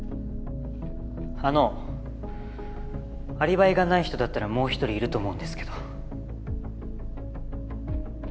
あのアリバイがない人だったらもう一人いると思うんですけど。